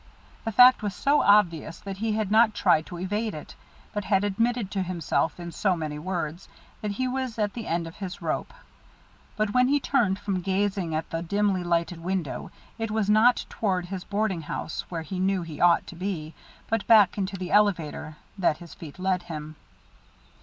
The fact was so obvious that he had not tried to evade it, but had admitted to himself, in so many words, that he was at the end of his rope. But when he turned from gazing at the dimly lighted window, it was not toward his boarding house, where he knew he ought to be, but back into the elevator, that his feet led him.